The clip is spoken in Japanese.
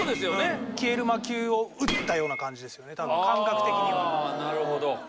消える魔球を打ったような感じ多分感覚的には。